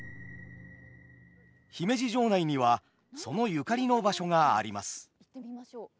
姫路城内にはそのゆかりの場所があります。